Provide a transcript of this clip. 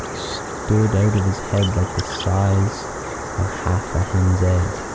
It stood out of his head the size of half a hen's egg.